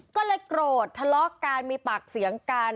ก็เลยโกรธทะเลาะกันมีปากเสียงกัน